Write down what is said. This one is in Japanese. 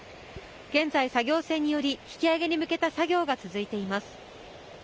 現在、作業船により引き上げに向けた作業が続いています。